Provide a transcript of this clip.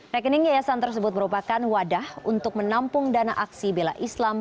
rekening yayasan tersebut merupakan wadah untuk menampung dana aksi bela islam